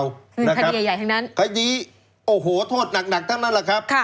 คือคดีใหญ่ทั้งนั้นคดีโอ้โหโทษหนักทั้งนั้นแหละครับ